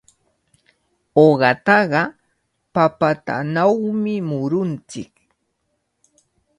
Uqataqa papatanawmi murunchik.